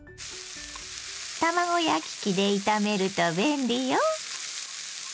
卵焼き器で炒めると便利よ。